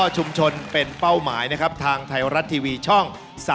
ชุมชนเป็นเป้าหมายนะครับทางไทยรัฐทีวีช่อง๓๒